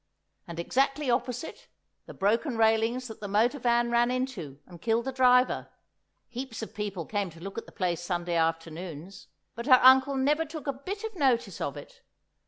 And exactly opposite, the broken railings that the motor van ran into and killed the driver; heaps of people came to look at the place Sunday afternoons. But her uncle never took a bit of notice of it.